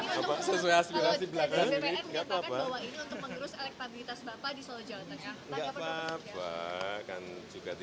kalau bpn mengetahui bahwa ini untuk mengerus elektabilitas bapak di solo jawa tengah